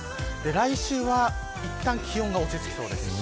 来週は、いったん気温が落ち着きそうです。